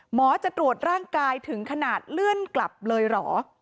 หมอจะตรวจร่างกายถึงขนาดเลื่อนกลับเลยเหรอ